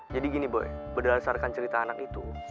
jadi gini boy berdasarkan cerita anak itu